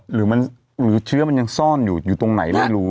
หรือเชื้อมันยังซ่อนอยู่ตรงไหนไม่รู้